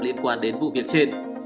liên quan đến vụ việc trên